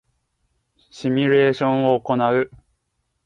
シミュレーションを行う